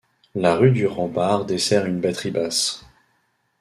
La rue du rempart dessert une batterie basse.